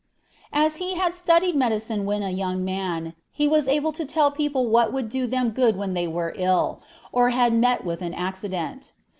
"As he had studied medicine when a young man, he was able to tell the people what would do them good when they were ill, or had met with an accident.